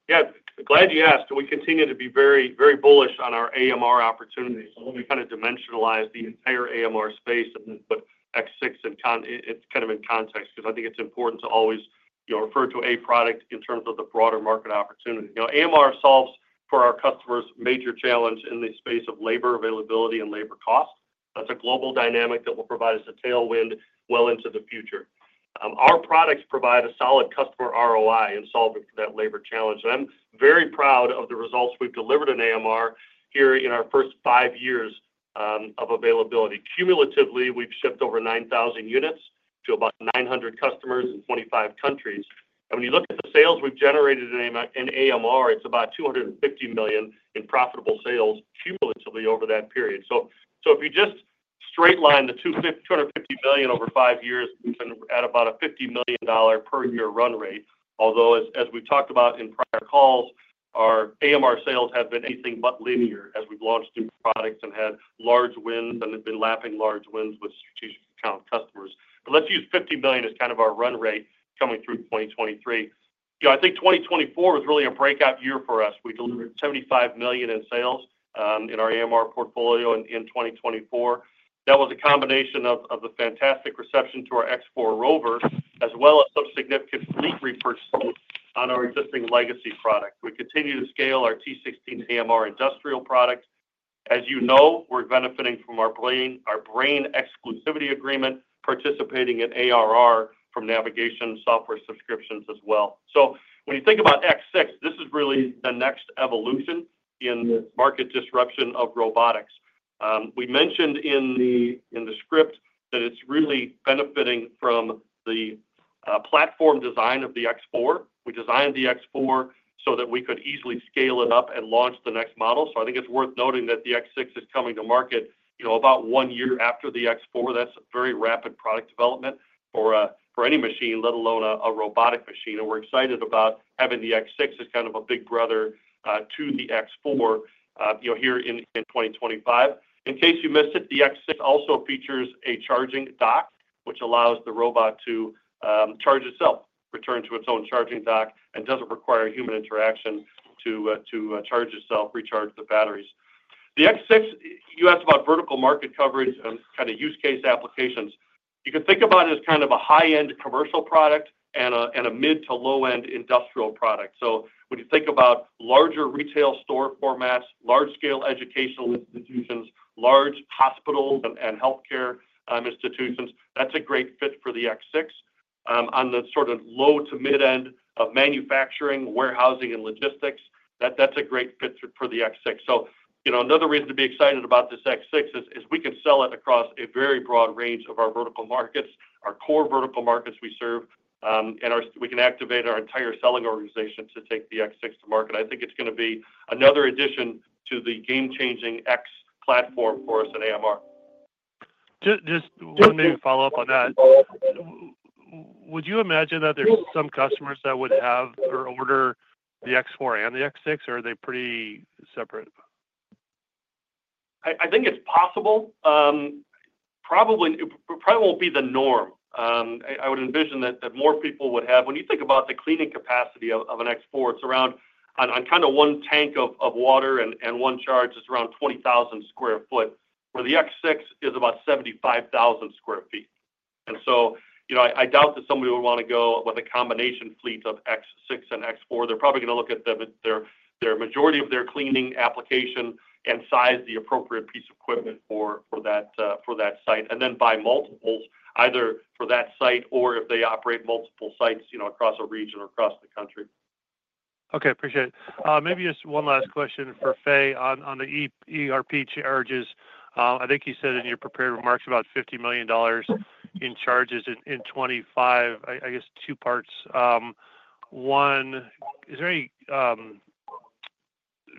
Yeah. Glad you asked. We continue to be very bullish on our AMR opportunities. We kind of dimensionalize the entire AMR space and put X6 kind of in context because I think it's important to always refer to a product in terms of the broader market opportunity. AMR solves for our customers' major challenge in the space of labor availability and labor cost. That's a global dynamic that will provide us a tailwind well into the future. Our products provide a solid customer ROI in solving for that labor challenge. And I'm very proud of the results we've delivered in AMR here in our first five years of availability. Cumulatively, we've shipped over 9,000 units to about 900 customers in 25 countries. And when you look at the sales we've generated in AMR, it's about $250 million in profitable sales cumulatively over that period. So if you just straight line the $250 million over five years, we've been at about a $50 million per year run rate. Although, as we've talked about in prior calls, our AMR sales have been anything but linear as we've launched new products and had large wins and have been lapping large wins with strategic account customers. But let's use $50 million as kind of our run rate coming through 2023. I think 2024 was really a breakout year for us. We delivered $75 million in sales in our AMR portfolio in 2024. That was a combination of the fantastic reception to our X4 ROVR, as well as some significant fleet repurchases on our existing legacy product. We continue to scale our T16 AMR industrial products. As you know, we're benefiting from our Brain exclusivity agreement, participating in ARR from navigation software subscriptions as well. So when you think about X6, this is really the next evolution in the market disruption of robotics. We mentioned in the script that it's really benefiting from the platform design of the X4. We designed the X4 so that we could easily scale it up and launch the next model. So I think it's worth noting that the X6 is coming to market about one year after the X4. That's very rapid product development for any machine, let alone a robotic machine. And we're excited about having the X6 as kind of a big brother to the X4 here in 2025. In case you missed it, the X6 also features a charging dock, which allows the robot to charge itself, return to its own charging dock, and doesn't require human interaction to charge itself, recharge the batteries. The X6, you asked about vertical market coverage and kind of use case applications. You can think about it as kind of a high-end commercial product and a mid to low-end industrial product. So when you think about larger retail store formats, large-scale educational institutions, large hospitals and healthcare institutions, that's a great fit for the X6. On the sort of low to mid-end of manufacturing, warehousing, and logistics, that's a great fit for the X6. So another reason to be excited about this X6 is we can sell it across a very broad range of our vertical markets, our core vertical markets we serve, and we can activate our entire selling organization to take the X6 to market. I think it's going to be another addition to the game-changing X platform for us in AMR. Just one big follow-up on that. Would you imagine that there's some customers that would have or order the X4 and the X6, or are they pretty separate? I think it's possible. Probably won't be the norm. I would envision that more people would have. When you think about the cleaning capacity of an X4, it's around on kind of one tank of water and one charge, it's around 20,000 sq ft, where the X6 is about 75,000 sq ft. And so I doubt that somebody would want to go with a combination fleet of X6 and X4. They're probably going to look at their majority of their cleaning application and size the appropriate piece of equipment for that site, and then buy multiples, either for that site or if they operate multiple sites across a region or across the country. Okay. Appreciate it. Maybe just one last question for Fay on the ERP charges. I think you said in your prepared remarks about $50 million in charges in 2025. I guess two parts. One, is there any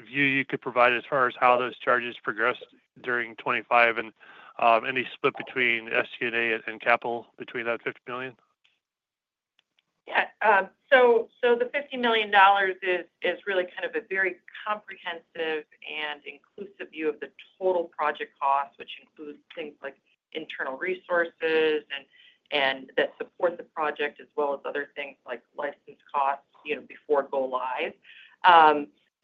view you could provide as far as how those charges progressed during 2025 and any split between SG&A and capital between that $50 million? Yeah. The $50 million is really kind of a very comprehensive and inclusive view of the total project cost, which includes things like internal resources and that support the project, as well as other things like license costs before go-live.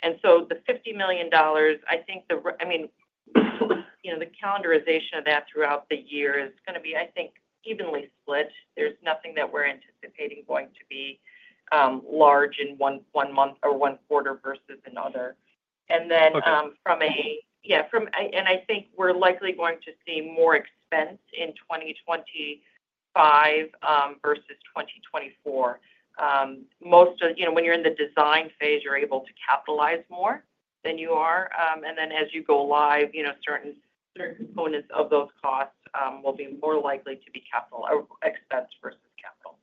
The $50 million, I think the, I mean, the calendarization of that throughout the year is going to be, I think, evenly split. There's nothing that we're anticipating going to be large in one month or one quarter versus another. I think we're likely going to see more expense in 2025 versus 2024. Most of when you're in the design phase, you're able to capitalize more than you are. As you go-live, certain components of those costs will be more likely to be capital expense versus capital.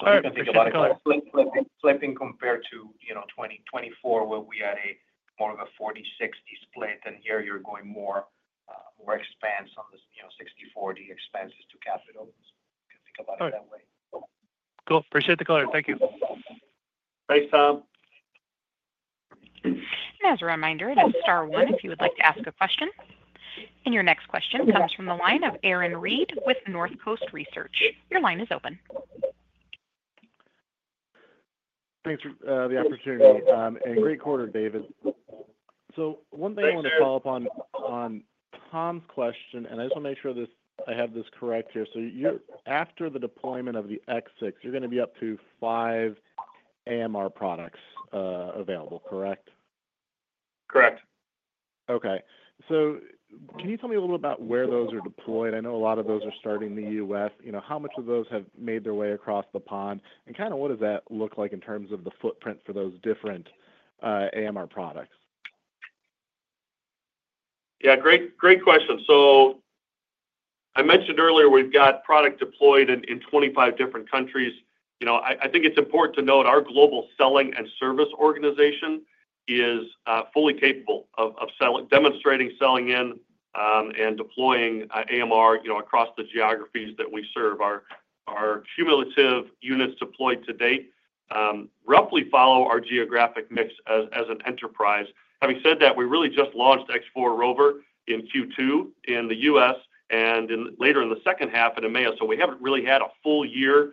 So I think a lot of compared to 2024, where we had a more of a 40/60 split, and here you're going more expense on the 60/40 expenses to capital. You can think about it that way. Cool. Appreciate the color. Thank you. Thanks, Tom. And as a reminder, this is Star one if you would like to ask a question. And your next question comes from the line of Aaron Reed with Northcoast Research. Your line is open. Thanks for the opportunity. And great quarter, David. So one thing I want to follow up on Tom's question, and I just want to make sure I have this correct here. So after the deployment of the X6, you're going to be up to five AMR products available, correct? Correct. Okay. So can you tell me a little about where those are deployed? I know a lot of those are starting in the U.S. How much of those have made their way across the pond? And kind of what does that look like in terms of the footprint for those different AMR products? Yeah. Great question. So I mentioned earlier we've got product deployed in 25 different countries. I think it's important to note our global selling and service organization is fully capable of demonstrating selling in and deploying AMR across the geographies that we serve. Our cumulative units deployed to date roughly follow our geographic mix as an enterprise. Having said that, we really just launched X4 ROVR in Q2 in the U.S. and later in the second half in EMEA. So we haven't really had a full year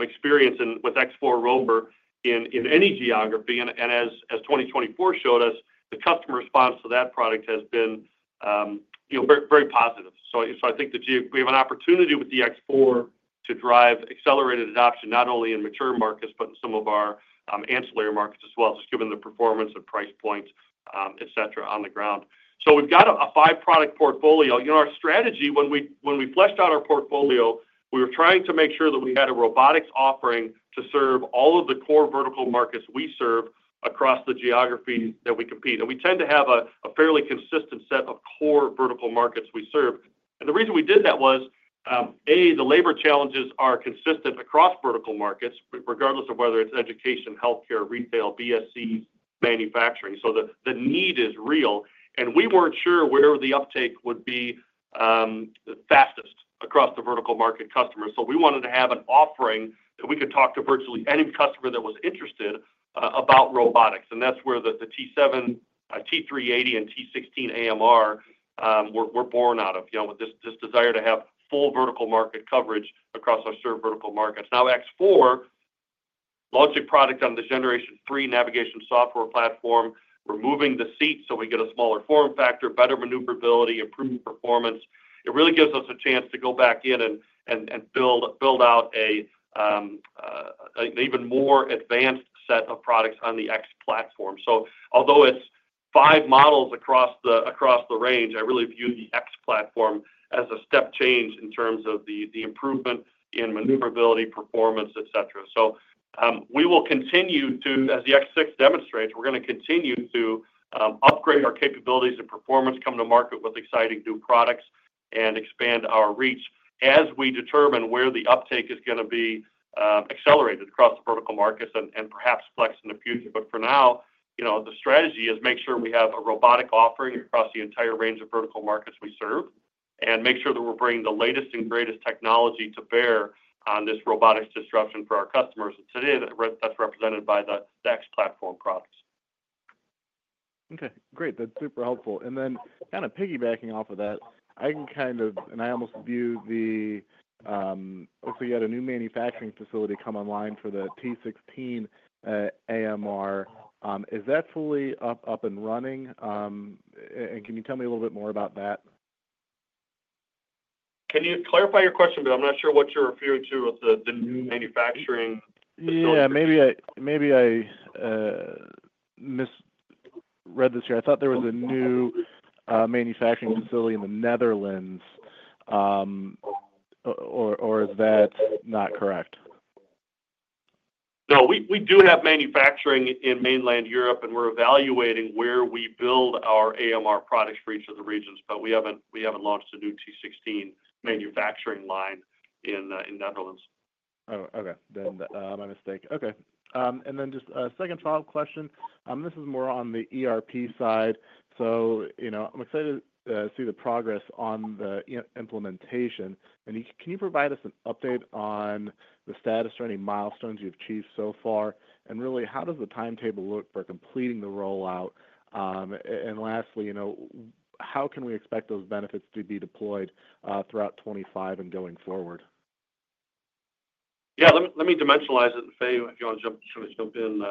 experience with X4 ROVR in any geography. And as 2024 showed us, the customer response to that product has been very positive. So I think we have an opportunity with the X4 to drive accelerated adoption not only in mature markets, but in some of our ancillary markets as well, just given the performance and price points, etc., on the ground. So we've got a five-product portfolio. Our strategy, when we fleshed out our portfolio, we were trying to make sure that we had a robotics offering to serve all of the core vertical markets we serve across the geographies that we compete. And we tend to have a fairly consistent set of core vertical markets we serve. And the reason we did that was, A, the labor challenges are consistent across vertical markets, regardless of whether it's education, healthcare, retail, BSCs, manufacturing. So the need is real. And we weren't sure where the uptake would be fastest across the vertical market customers. So we wanted to have an offering that we could talk to virtually any customer that was interested about robotics. And that's where the T7, T380, and T16 AMR were born out of, with this desire to have full vertical market coverage across our served vertical markets. Now, X4, launching product on the Generation 3 navigation software platform, removing the seat so we get a smaller form factor, better maneuverability, improved performance. It really gives us a chance to go back in and build out an even more advanced set of products on the X platform. So although it's five models across the range, I really view the X platform as a step change in terms of the improvement in maneuverability, performance, etc. So we will continue to, as the X6 demonstrates, we're going to continue to upgrade our capabilities and performance, come to market with exciting new products, and expand our reach as we determine where the uptake is going to be accelerated across the vertical markets and perhaps flex in the future. But for now, the strategy is make sure we have a robotic offering across the entire range of vertical markets we serve and make sure that we're bringing the latest and greatest technology to bear on this robotics disruption for our customers. And today, that's represented by the X platform products. Okay. Great. That's super helpful. And then kind of piggybacking off of that, I can kind of, and I almost view the, looks like you had a new manufacturing facility come online for the T16 AMR. Is that fully up and running? Can you tell me a little bit more about that? Can you clarify your question, but I'm not sure what you're referring to with the new manufacturing facility? Yeah. Maybe I misread this here. I thought there was a new manufacturing facility in the Netherlands. Or is that not correct? No, we do have manufacturing in mainland Europe, and we're evaluating where we build our AMR products for each of the regions, but we haven't launched a new T16 manufacturing line in Netherlands. Okay. My mistake. Okay. Just a second follow-up question. This is more on the ERP side. So I'm excited to see the progress on the implementation. Can you provide us an update on the status or any milestones you've achieved so far? Really, how does the timetable look for completing the rollout? And lastly, how can we expect those benefits to be deployed throughout 2025 and going forward? Yeah. Let me dimensionalize it and Fay, if you want to jump in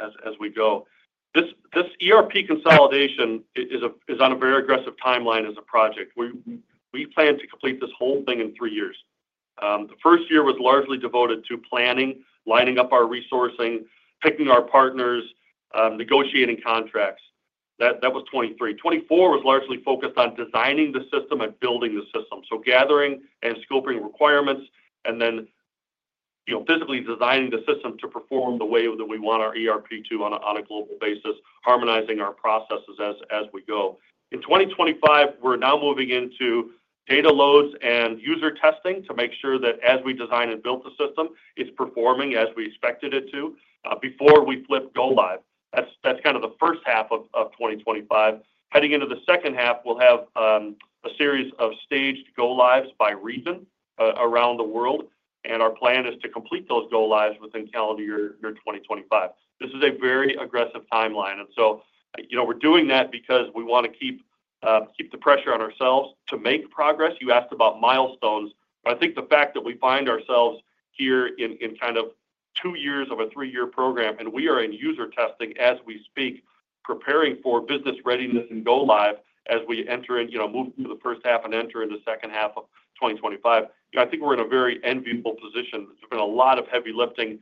as we go. This ERP consolidation is on a very aggressive timeline as a project. We plan to complete this whole thing in three years. The first year was largely devoted to planning, lining up our resourcing, picking our partners, negotiating contracts. That was 2023. 2024 was largely focused on designing the system and building the system. So gathering and scoping requirements, and then physically designing the system to perform the way that we want our ERP to on a global basis, harmonizing our processes as we go. In 2025, we're now moving into data loads and user testing to make sure that as we design and build the system, it's performing as we expected it to before we flip go-live. That's kind of the first half of 2025. Heading into the second half, we'll have a series of staged go-lives by region around the world, and our plan is to complete those go-lives within calendar year 2025. This is a very aggressive timeline, and so we're doing that because we want to keep the pressure on ourselves to make progress. You asked about milestones. But I think the fact that we find ourselves here in kind of two years of a three-year program, and we are in user testing as we speak, preparing for business readiness and go-live as we enter and move into the first half and enter into the second half of 2025. I think we're in a very enviable position. There's been a lot of heavy lifting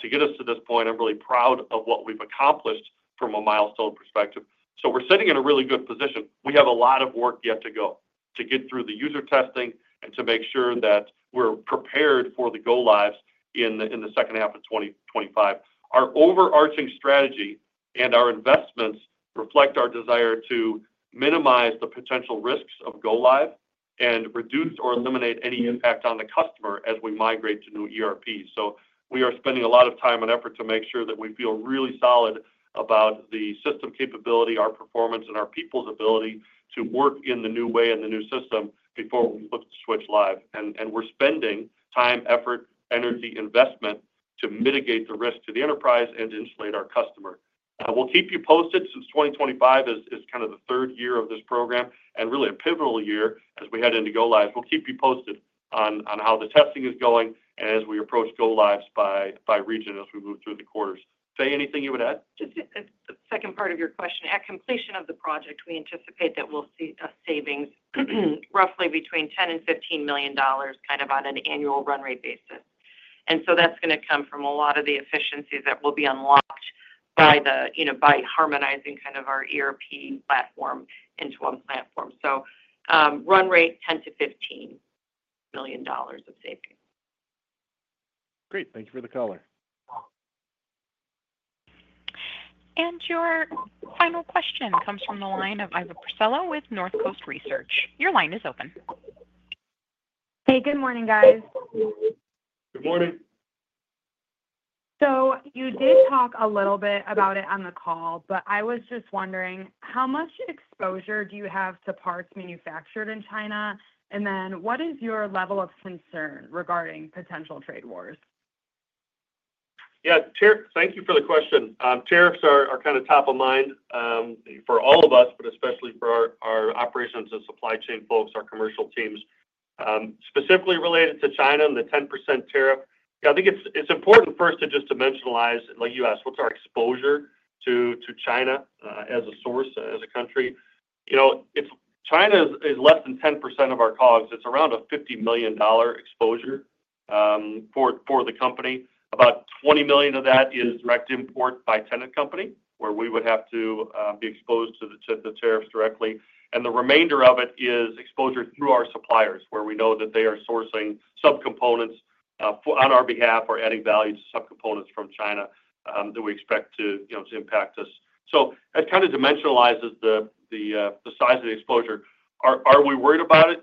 to get us to this point. I'm really proud of what we've accomplished from a milestone perspective. So we're sitting in a really good position. We have a lot of work yet to go to get through the user testing and to make sure that we're prepared for the go-lives in the second half of 2025. Our overarching strategy and our investments reflect our desire to minimize the potential risks of go-live and reduce or eliminate any impact on the customer as we migrate to new ERPs. So we are spending a lot of time and effort to make sure that we feel really solid about the system capability, our performance, and our people's ability to work in the new way and the new system before we look to switch live. And we're spending time, effort, energy, investment to mitigate the risk to the enterprise and to insulate our customer. We'll keep you posted since 2025 is kind of the third year of this program and really a pivotal year as we head into go-lives. We'll keep you posted on how the testing is going and as we approach go-lives by region as we move through the quarters. Fay, anything you would add? Just the second part of your question. At completion of the project, we anticipate that we'll see savings roughly between $10 million and $15 million kind of on an annual run rate basis. And so that's going to come from a lot of the efficiencies that will be unlocked by harmonizing kind of our ERP platform into one platform. So run rate $10 million-$15 million of savings. Great. Thank you for the color. And your final question comes from the line of Iva Parčić with Northcoast Research. Your line is open. Hey, good morning, guys. Good morning. So you did talk a little bit about it on the call, but I was just wondering, how much exposure do you have to parts manufactured in China? And then what is your level of concern regarding potential trade wars? Yeah. Thank you for the question. Tariffs are kind of top of mind for all of us, but especially for our operations and supply chain folks, our commercial teams. Specifically related to China and the 10% tariff, yeah, I think it's important first to just dimensionalize like you asked, what's our exposure to China as a source, as a country? If China is less than 10% of our costs, it's around a $50 million exposure for the company. About $20 million of that is direct import by Tennant Company, where we would have to be exposed to the tariffs directly. And the remainder of it is exposure through our suppliers, where we know that they are sourcing subcomponents on our behalf or adding value to subcomponents from China that we expect to impact us. So that kind of dimensionalizes the size of the exposure. Are we worried about it?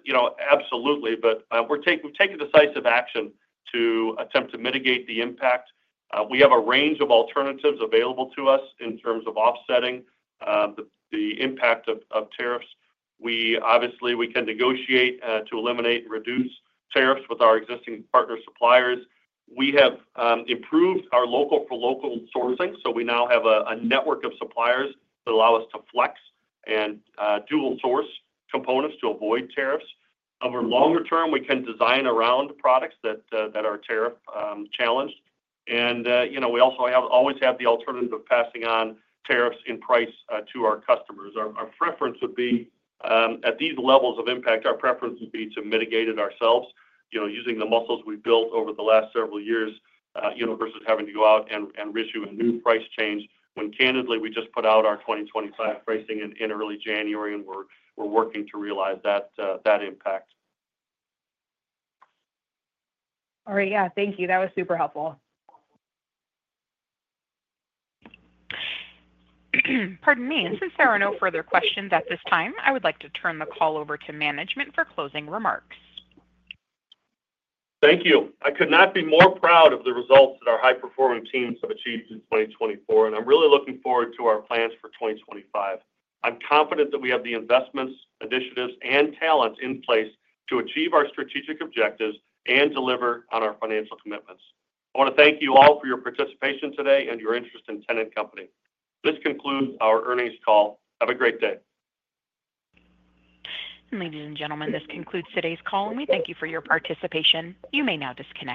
Absolutely. But we've taken decisive action to attempt to mitigate the impact. We have a range of alternatives available to us in terms of offsetting the impact of tariffs. Obviously, we can negotiate to eliminate and reduce tariffs with our existing partner suppliers. We have improved our local-for-local sourcing. So we now have a network of suppliers that allow us to flex and dual-source components to avoid tariffs. Over longer term, we can design around products that are tariff-challenged. And we also always have the alternative of passing on tariffs in price to our customers. Our preference would be, at these levels of impact, our preference would be to mitigate it ourselves using the muscles we've built over the last several years versus having to go out and risk a new price change when candidly, we just put out our 2025 pricing in early January, and we're working to realize that impact. All right. Yeah. Thank you. That was super helpful. Pardon me. And since there are no further questions at this time, I would like to turn the call over to management for closing remarks. Thank you. I could not be more proud of the results that our high-performing teams have achieved in 2024. And I'm really looking forward to our plans for 2025. I'm confident that we have the investments, initiatives, and talent in place to achieve our strategic objectives and deliver on our financial commitments. I want to thank you all for your participation today and your interest in Tennant Company. This concludes our earnings call. Have a great day. Ladies and gentlemen, this concludes today's call, and we thank you for your participation. You may now disconnect.